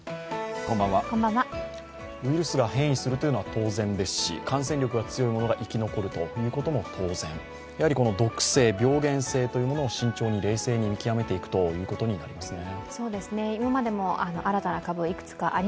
ウイルスが変異するのは当然ですし感染力が強いものが生き残るということも当然、毒性、病原性というものを慎重に、冷静に見極めていくということになりますね。